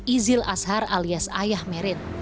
izil ashar alias ayah merin